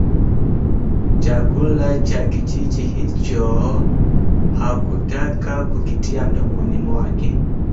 Chakula cha kijiji hicho hakutaka kukitia mdomoni mwake